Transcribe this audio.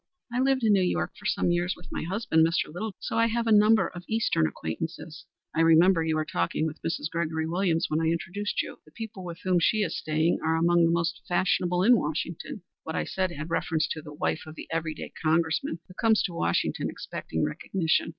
"I lived in New York for some years with my husband, Mr. Littleton, so I have a number of Eastern acquaintances." "I remember you were talking with Mrs. Gregory Williams when I was introduced to you. The people with whom she is staying are among the most fashionable in Washington. What I said had reference to the wife of the every day Congressman who comes to Washington expecting recognition.